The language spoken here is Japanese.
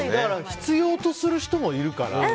必要とする人もいるから。